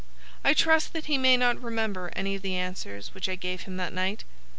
I trust that he may not remember any of the answers which I gave him that night.